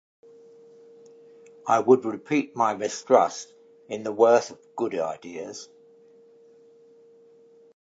I would repeat my mistrust in the worth of Good Ideas.